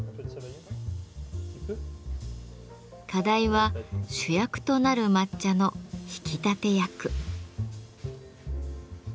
課題は主役となる抹茶の引き立て役。